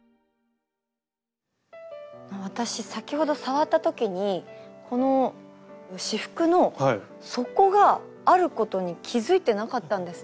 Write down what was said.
私先ほど触った時にこの仕覆の底があることに気付いてなかったんですね。